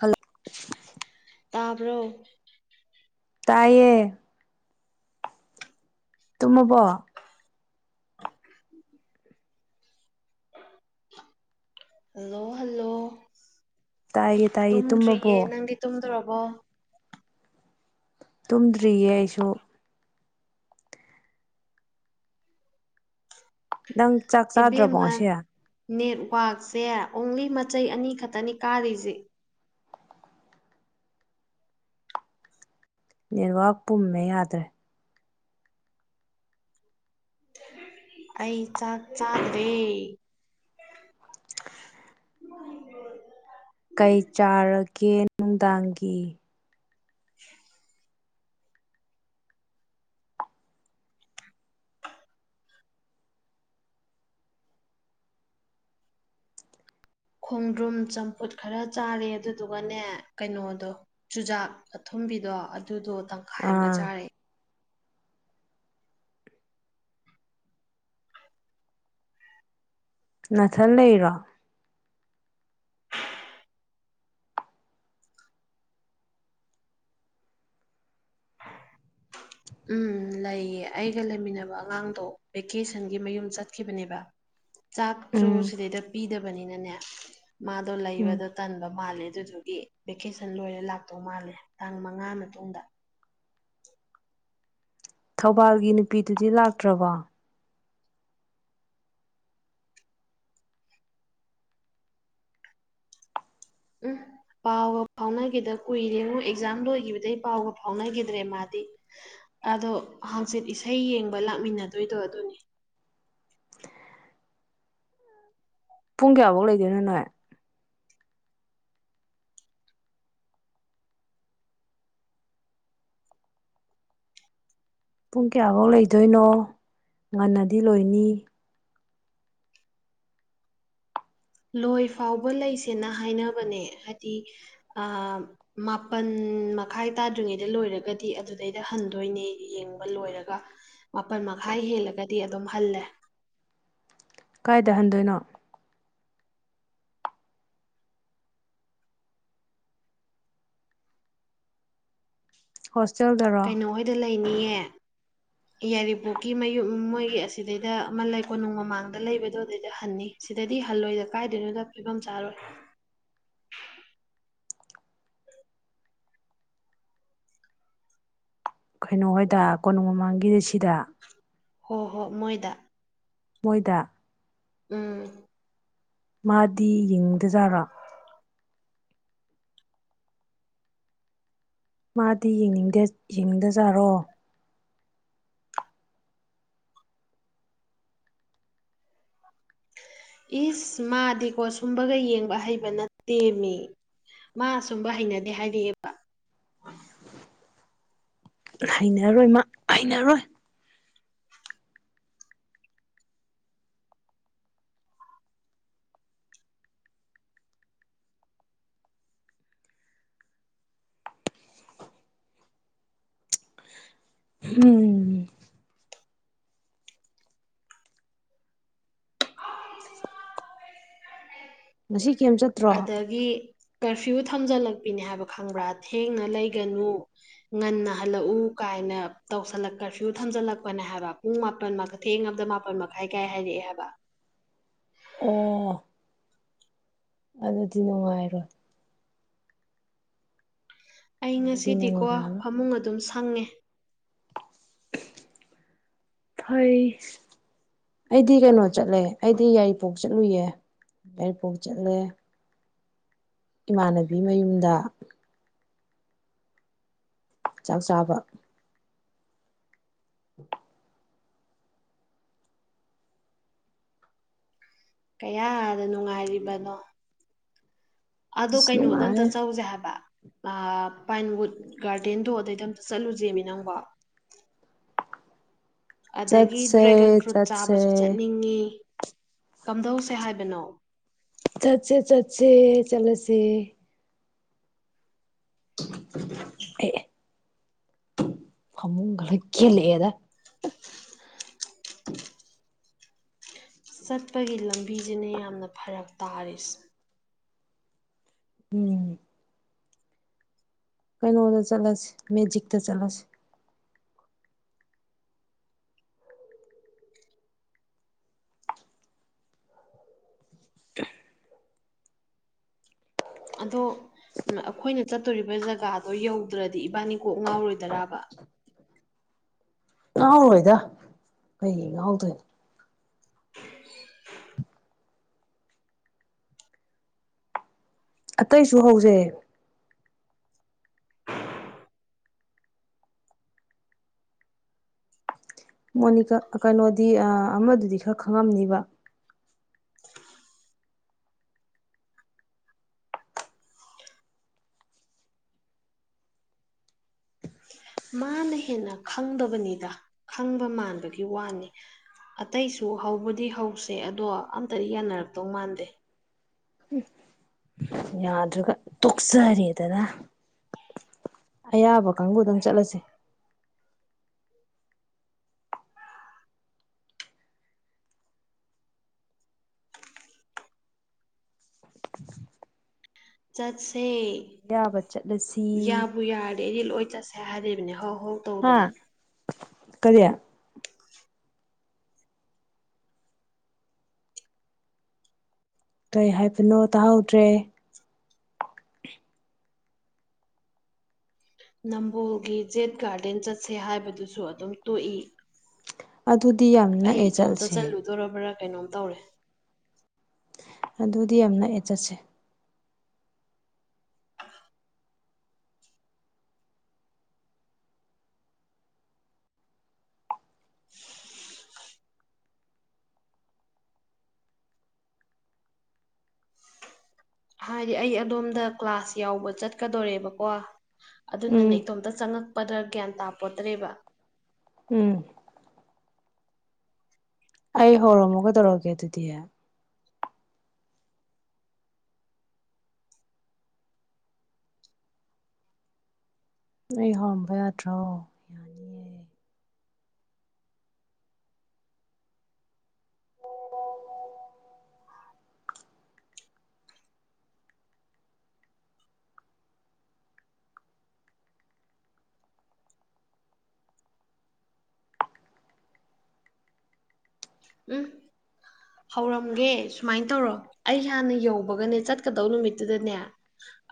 hello ꯇꯕꯔꯣ ꯇꯌꯦ ꯇꯃꯕꯣ ꯍꯜꯂꯣ ꯍꯜꯂꯣ ꯇꯥꯏꯌꯦ ꯇꯥꯏꯌꯦ ꯇꯨꯝꯗ꯭ꯔꯤꯌꯦ ꯇꯨꯝꯃꯕꯣ ꯅꯪꯒꯤ ꯇꯨꯝꯗꯣꯔꯕꯣ ꯇꯨꯝꯗ꯭ꯔꯤꯌꯦ ꯑꯩꯁꯨ ꯅꯪ ꯆꯥꯛ ꯆꯥꯗ꯭ꯔꯕꯣ ꯏꯕꯦꯝꯃ ꯉꯁꯤ ꯅꯦꯠꯋꯥꯛꯁꯦ ꯑꯣꯡꯂꯤ ꯃꯆꯩ ꯑꯅꯤꯈꯛꯇꯅꯤ ꯀꯥꯔꯤꯁꯦ ꯅꯦꯠꯋꯥꯛ ꯄꯨꯝꯃꯦ ꯌꯥꯗ꯭ꯔꯦ ꯑꯩ ꯆꯥꯛ ꯆꯥꯗꯔꯦ ꯀꯩ ꯆꯥꯔꯒꯦ ꯅꯨꯡꯗꯥꯡꯒꯤ ꯈꯣꯡꯗ꯭ꯔꯨꯝ ꯆꯝꯐꯨꯠ ꯈꯔ ꯆꯥꯔꯦ ꯑꯗꯨꯗꯨꯒꯅꯦ ꯀꯩꯅꯣꯗꯣ ꯆꯨꯖꯥꯛ ꯑꯊꯨꯝꯕꯤꯗꯣ ꯑꯗꯨꯗꯣ ꯇꯪꯈꯥꯏ ꯑꯃꯒ ꯑꯥ ꯆꯥꯔꯦꯑꯦ ꯅꯅꯥꯊꯟ ꯂꯩꯔꯣ ꯎꯝ ꯂꯩꯌꯦ ꯑꯩꯒ ꯂꯩꯃꯤꯟꯅꯕ ꯑꯉꯥꯡꯗꯣ ꯚꯦꯀꯦꯁꯟꯒꯤ ꯃꯌꯨꯝ ꯆꯠꯈꯤꯕꯅꯦꯕ ꯆꯥꯛꯁꯨ ꯎꯝ ꯁꯤꯗꯩꯗ ꯄꯤꯗꯕꯅꯤꯅꯅꯦ ꯃꯥꯗꯣ ꯎꯝ ꯂꯩꯕꯗ ꯇꯟꯕ ꯃꯥꯜꯂꯦ ꯑꯗꯨꯗꯨꯒꯤ ꯚꯦꯀꯦꯁꯟ ꯂꯣꯏꯔ ꯂꯥꯛꯇꯧ ꯃꯥꯜꯂꯦ ꯇꯥꯡ ꯃꯉꯥ ꯃꯇꯨꯡꯗ ꯊꯧꯕꯥꯜꯒꯤ ꯅꯨꯄꯤꯗꯨꯗꯤ ꯂꯥꯛꯇ꯭ꯔꯕꯣ ꯎꯝ ꯄꯥꯎꯒ ꯐꯥꯎꯅꯈꯤꯗ ꯀꯨꯏꯔꯦꯉꯣ ꯑꯦꯛꯖꯥꯝ ꯂꯣꯏꯈꯤꯕꯗꯩꯩ ꯄꯥꯎꯒ ꯐꯥꯎꯅꯈꯤꯗ꯭ꯔꯦ ꯃꯥꯗꯤ ꯑꯗꯣ ꯍꯪꯆꯤꯠ ꯏꯁꯩ ꯌꯦꯡꯕ ꯂꯥꯛꯃꯤꯟꯅꯗꯣꯏꯗꯣ ꯑꯗꯨꯅꯦ ꯄꯨꯡ ꯀꯌꯥꯐꯧ ꯂꯩꯗꯣꯏꯅꯣ ꯅꯣꯏ ꯄꯨꯡ ꯀꯌꯥꯐꯧ ꯂꯩꯗꯣꯏꯅꯣ ꯉꯟꯅꯗꯤ ꯂꯣꯏꯅꯤ ꯂꯣꯏ ꯐꯥꯎꯕ ꯂꯩꯁꯦꯅ ꯍꯥꯏꯅꯕꯅꯦ ꯍꯥꯏꯗꯤ ꯑ ꯃꯥꯄꯜ ꯃꯈꯥꯏ ꯇꯥꯗ꯭ꯔꯤꯉꯩꯗ ꯂꯣꯏꯔꯒꯗꯤ ꯑꯗꯨꯗꯩꯗ ꯍꯟꯗꯣꯏꯅꯦ ꯌꯦꯡꯕ ꯂꯣꯏꯔꯒ ꯃꯥꯄꯜ ꯃꯈꯥꯏ ꯍꯦꯜꯂꯒꯗꯤ ꯑꯗꯨꯝ ꯍꯜꯂꯦ ꯀꯥꯏꯗ ꯍꯟꯗꯣꯏꯅꯣ ꯍꯣꯁꯇꯦꯜꯗꯔꯣ ꯑꯗꯨ ꯂꯩꯅꯤꯌꯦ ꯌꯥꯏꯔꯤꯄꯣꯛꯀꯤ ꯃꯌꯨꯝ ꯃꯣꯏꯒꯤ ꯑꯁꯤꯗꯩꯗ ꯑꯃ ꯂꯩ ꯀꯣꯅꯨꯡ ꯃꯃꯥꯡꯗ ꯂꯩꯕꯗꯣ ꯑꯗꯨꯗꯩꯗ ꯍꯟꯅꯤ ꯁꯤꯗꯗꯤ ꯍꯜꯂꯣꯏꯗ ꯀꯥꯏꯗꯣꯏꯅꯣꯗ ꯐꯤꯕꯝ ꯆꯥꯔꯣꯏ ꯀꯩꯅꯣ ꯍꯥꯏꯣꯏꯗ ꯀꯣꯅꯨꯡ ꯃꯃꯥꯡꯒꯤꯗ ꯁꯤꯗ ꯍꯣꯏ ꯍꯣꯏ ꯃꯣꯏꯗ ꯃꯣꯏꯗ ꯎꯝ ꯃꯥꯗꯤ ꯌꯦꯡꯅꯤꯡꯗꯖꯥꯔꯣ ꯃꯥꯗꯤ ꯌꯦꯡꯅꯤꯡꯗꯦ ꯌꯦꯡꯅꯤꯡꯗꯖꯥꯔꯣ ꯏꯁ ꯃꯥꯗꯤꯀꯣ ꯁꯨꯝꯕꯒ ꯌꯦꯡꯕ ꯍꯩꯕ ꯅꯠꯇꯦꯃꯤ ꯃꯥ ꯑꯁꯨꯝꯕ ꯍꯩꯅꯗꯦ ꯍꯥꯏꯔꯛꯑꯦꯕ ꯍꯩꯅꯔꯣꯏ ꯃꯥ ꯍꯩꯅꯔꯣꯏ ꯎꯝ [inaudible] ꯃꯁꯤ ꯀꯦꯝ ꯆꯠ ꯑꯗꯒꯤ ꯀꯔꯐ꯭ꯌꯨ ꯊꯝꯖꯤꯜꯂꯛꯄꯤꯅꯤ ꯍꯥꯏꯕ ꯈꯪꯕ꯭ꯔꯥ ꯊꯦꯡꯅ ꯂꯩꯒꯅꯨ ꯉꯟꯅ ꯍꯜꯂꯛꯎ ꯀꯥꯏꯅ ꯇꯧꯁꯜꯂꯛ ꯀꯔꯐ꯭ꯌꯨ ꯊꯝꯖꯜꯂꯛꯄꯅꯦ ꯍꯥꯏꯕ ꯄꯨꯡ ꯃꯥꯄꯟ ꯊꯦꯡꯉꯕꯗ ꯃꯥꯄꯜ ꯃꯈꯥꯏ ꯀꯥꯏ ꯍꯥꯏꯔꯛꯑꯦ ꯍꯥꯏꯕ ꯑꯣ ꯑꯗꯨꯗꯤ ꯅꯨꯡꯉꯥꯏꯔꯣꯏ ꯑꯩ ꯑꯗꯨꯗꯤ ꯉꯁꯤꯗꯤꯀꯣ ꯅꯨꯡꯉꯥꯏꯔꯔꯣꯏ ꯐꯃꯨꯡ ꯑꯗꯨꯝ ꯁꯪꯉꯦ ꯐꯩ ꯑꯩꯗꯤ ꯀꯩꯅꯣ ꯆꯠꯂꯦ ꯑꯩꯗꯤ ꯌꯥꯏꯔꯤꯄꯣꯛ ꯆꯠꯂꯨꯌꯦ ꯌꯥꯏꯔꯤꯄꯣꯛ ꯆꯠꯂꯦ ꯏꯃꯥꯟꯅꯕꯤ ꯃꯌꯨꯝꯗ ꯆꯥꯛ ꯆꯥꯕ [inaudible] ꯀꯌꯥꯗ ꯅꯨꯡꯉꯥꯏꯔꯤꯕꯅꯣ ꯑꯗꯣ ꯑꯁ ꯀꯩꯅꯣꯗ ꯑꯝꯇ ꯅꯨꯡꯉꯥꯏꯔꯦ ꯆꯧꯁꯦ ꯍꯥꯏꯕ ꯄꯥꯏꯟꯋꯨꯠ ꯒꯥꯔꯗꯦꯟꯗꯣ ꯑꯗꯩꯗ ꯑꯝꯇ ꯆꯠꯂꯨꯁꯦꯕ ꯅꯪꯕ ꯑꯗꯒꯤ ꯆꯠꯁꯦ ꯗ꯭ꯔꯦꯒꯟ ꯐ꯭ꯔꯨꯠ ꯆꯠꯁꯦ ꯆꯥꯕꯁꯨ ꯆꯠꯅꯤꯡꯉꯤ ꯀꯝꯗꯧꯁꯦ ꯍꯥꯏꯕꯅꯣ ꯆꯠꯁꯦ ꯆꯠꯁꯦ ꯆꯠꯁꯦ ꯑꯦ ꯐꯃꯨꯡꯒ ꯂꯣꯏ ꯀꯦꯜꯂꯛ ꯑꯦꯗꯥ ꯏꯁꯀꯤꯞ ꯆꯠꯄꯒꯤ ꯂꯝꯕꯤꯁꯤꯅ ꯌꯥꯝꯅ ꯐꯔꯛ ꯇꯥꯔꯤꯁ ꯎꯝ ꯀꯩꯅꯣꯗ ꯆꯠꯂꯁꯤ ꯃꯦꯖꯤꯛꯇ ꯆꯠꯂꯁꯤ ꯑꯗꯣ ꯑꯩꯈꯣꯏꯅ ꯆꯠꯇꯣꯔꯤꯕ ꯖꯒꯥꯗꯣ ꯌꯧꯗ꯭ꯔꯗꯤ ꯏꯕꯥꯅꯤ ꯀꯣꯛ ꯉꯥꯎꯔꯣꯏꯗ꯭ꯔꯕ ꯉꯥꯎꯔꯣꯏꯗ ꯀꯩ ꯉꯥꯎꯗꯣꯏꯅꯣ [inaudible] ꯑꯇꯩꯁꯨ ꯍꯧꯖꯩ ꯃꯣꯅꯤꯀꯥ ꯀꯩꯅꯣꯗꯤ ꯑꯃꯗꯨꯗꯤ ꯈꯔ ꯈꯪꯉꯝꯅꯤꯕ ꯃꯥꯅ ꯍꯦꯟꯅ ꯈꯪꯗꯕꯅꯤꯗ ꯈꯪꯕ ꯃꯥꯟꯕꯒꯤ ꯋꯥꯅꯤ ꯑꯇꯩꯁꯨ ꯍꯧꯕꯗꯤ ꯍꯧꯁꯦ ꯑꯗꯣ ꯑꯝꯇꯗꯤ ꯌꯥꯅꯔꯛꯇꯧ ꯃꯥꯟꯗꯦ ꯌꯥꯗ꯭ꯔꯒ ꯇꯣꯛꯆꯔꯦꯗꯅ ꯑꯌꯥꯕ ꯀꯥꯡꯕꯨ ꯑꯗꯨꯝ ꯆꯠꯂꯁꯤ ꯆꯠꯁꯦ ꯑꯌꯥꯕ ꯆꯠꯂꯁꯤ ꯌꯥꯕꯨ ꯌꯥꯔꯔꯦ ꯑꯩꯗꯤ ꯂꯣꯏ ꯆꯠꯁꯦ ꯍꯥꯏꯔꯤꯕꯅꯦ ꯍꯣꯏ ꯍꯧ ꯍꯥꯥ ꯇꯧꯗꯅ ꯀꯔꯤꯌꯥ ꯀꯩ ꯍꯥꯏꯕꯅꯣ ꯇꯥꯍꯧꯗ꯭ꯔꯦ ꯅꯝꯕꯣꯜꯒꯤ ꯖꯦꯠ ꯒꯥꯔꯗꯦꯟ ꯆꯠꯁꯦ ꯍꯥꯏꯕꯗꯨꯁꯨ ꯑꯗꯨꯝ ꯇꯣꯛꯏ [inaudible] ꯑꯗꯨꯗꯤ ꯌꯥꯝ ꯑꯩ ꯅꯛꯑꯦ ꯏꯇꯣꯝꯇ ꯆꯠꯁꯦ ꯆꯠꯂꯨꯗꯣꯔꯕ꯭ꯔꯥ ꯀꯩꯅꯣꯝ ꯇꯧꯔꯦ ꯑꯗꯨꯗꯤ ꯌꯥꯝ ꯅꯛꯑꯦ ꯆꯠꯁꯦ ꯍꯥꯏꯗꯤ ꯑꯩ ꯑꯗꯣꯝꯗ ꯀ꯭ꯂꯥꯁ ꯌꯥꯎꯕ ꯆꯠꯀꯗꯣꯔꯦꯕꯀꯣ ꯑꯗꯨꯅꯅꯦ ꯎꯝ ꯏꯇꯣꯝꯇ ꯆꯪꯉꯛꯄꯗ ꯒ꯭ꯌꯥꯟ ꯇꯥꯄꯣꯠꯇ꯭ꯔꯦꯕ ꯎꯝ ꯑꯩ ꯍꯧꯔꯝꯃꯣ ꯒꯩꯇꯧꯔꯒꯦ ꯑꯗꯨꯗꯤ ꯑꯩ ꯍꯔꯝꯕ ꯌꯥꯗ꯭ꯔꯣ ꯌꯥꯅꯤꯌꯦ ꯎꯝ ꯍꯧꯔꯝꯒꯦ ꯁꯨꯃꯥꯏꯅ ꯇꯧꯔꯣ ꯑꯩ ꯍꯥꯟꯅ ꯌꯧꯕꯒꯅꯦ ꯆꯠꯀꯗꯧ ꯅꯨꯃꯤꯠꯇꯨꯗꯅꯦ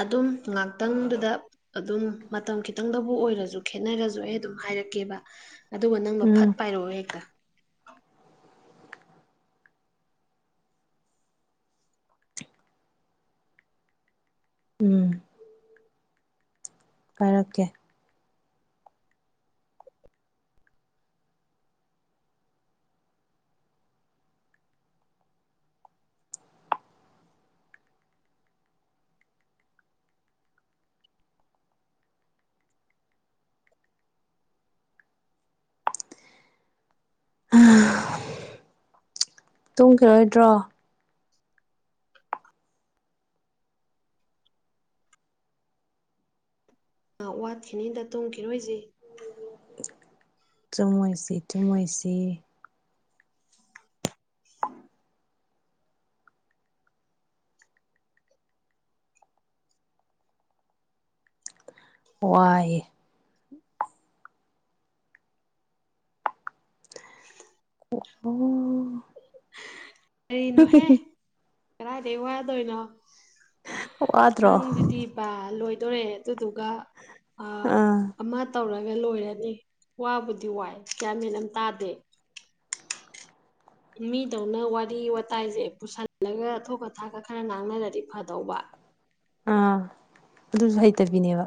ꯑꯗꯨꯝ ꯉꯥꯛꯇꯪꯗꯨꯗ ꯑꯗꯨꯝ ꯃꯇꯝ ꯈꯤꯇꯪꯗꯕꯨ ꯑꯣꯏꯔꯁꯨ ꯈꯦꯠꯅꯔꯁꯨ ꯑꯩ ꯑꯗꯨꯝ ꯍꯥꯏꯔꯛꯀꯦꯕ ꯑꯗꯨꯒ ꯅꯪ ꯐꯠ ꯎꯝ ꯄꯥꯏꯔꯛꯑꯣ ꯍꯦꯛꯇꯥ ꯎꯝ ꯍꯥꯏꯔꯛꯀꯦ ꯇꯨꯡꯈꯤꯔꯣꯏꯗ꯭ꯔꯣ ꯑ ꯋꯥꯠꯈꯤꯅꯤꯗ ꯇꯨꯝꯈꯤꯔꯣꯏꯁꯦ ꯇꯨꯝꯃꯣꯏꯁꯤ ꯇꯨꯝꯃꯣꯏꯁꯤ [inaudible] ꯋꯥꯔꯦ [inaudible] ꯎꯝ ꯀꯔꯤꯅꯣꯍꯦ ꯀꯗꯥꯏꯗꯩ ꯋꯥ ꯌꯥꯗꯣꯏꯅꯣ ꯋꯥꯗ꯭ꯔꯣ ꯅꯪꯁꯤꯗꯤ ꯕꯥ ꯂꯣꯏꯗꯣꯔꯦ ꯑꯗꯨꯗꯨꯒ ꯑꯥ ꯑꯃ ꯇꯧꯔꯒ ꯂꯣꯏꯔꯅꯤ ꯋꯥꯕꯨꯗꯤ ꯋꯥꯏ ꯒꯌ꯭ꯥꯟ ꯃꯦꯟ ꯑꯝ ꯇꯥꯗꯦ ꯃꯤꯗꯧꯅ ꯋꯥꯔꯤ ꯋꯥꯇꯥꯏꯁꯦ ꯄꯨꯁꯤꯜꯂꯒ ꯊꯣꯛꯀ ꯊꯥꯛꯀ ꯈꯔ ꯉꯥꯡꯅꯔꯗꯤ ꯐꯗꯧꯕ ꯑꯥ ꯑꯗꯨꯁꯨ ꯍꯩꯇꯕꯤꯅꯦꯕ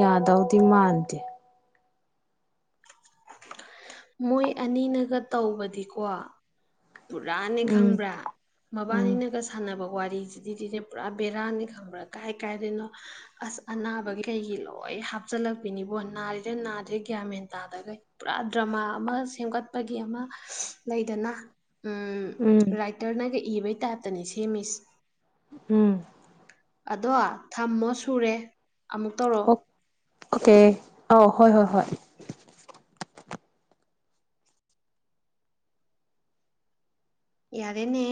ꯌꯥꯗꯧꯗꯤ ꯃꯥꯟꯗꯦ ꯃꯣꯏ ꯑꯅꯤꯅꯒ ꯇꯧꯕꯗꯤꯀꯣ ꯄꯨꯔꯥꯅꯦ ꯎꯝ ꯈꯪꯕ꯭ꯔꯥ ꯎꯝ ꯃꯕꯥꯅꯤꯅꯒ ꯁꯥꯟꯅꯕ ꯋꯥꯔꯤꯁꯤꯗꯤꯅꯦ ꯄꯨꯔꯥ ꯕꯦꯔꯥꯅꯤ ꯈꯪꯕ꯭ꯔꯥ ꯀꯥꯏ ꯀꯥꯏꯗꯩꯩꯅꯣ ꯑꯁ ꯑꯅꯥꯕꯒꯤ ꯀꯩꯒꯤ ꯂꯣꯏ ꯍꯥꯞꯆꯤꯜꯂꯛꯄꯤꯅꯤꯕꯣ ꯅꯥꯔꯤꯔ ꯅꯥꯗ꯭ꯔꯤꯔ ꯒ꯭ꯌꯥꯟ ꯃꯦꯟ ꯇꯥꯗꯈꯩ ꯄꯨꯔꯥ ꯗ꯭ꯔꯃꯥ ꯑꯃ ꯁꯦꯝꯒꯠꯄꯒꯤ ꯑꯃ ꯂꯩꯗꯅ ꯎ ꯔꯥꯏ ꯎꯝ ꯔꯥꯏꯇꯔꯅꯒ ꯏꯕꯩ ꯇꯥꯏꯞꯇꯅꯦ ꯁꯦꯝꯃꯤꯁ ꯎꯝ ꯑꯗꯣ ꯊꯝꯃꯣ ꯁꯨꯔꯦ ꯑꯃꯨꯛ ꯇꯧꯔꯣ ꯑꯣꯀꯦ ꯑꯥꯎ ꯍꯣꯏ ꯍꯣꯏ ꯍꯣꯏ ꯌꯥꯔꯦꯅꯦ